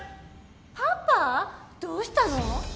パパどうしたの？